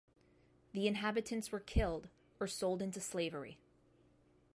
The inhabitants were killed or sold into slavery.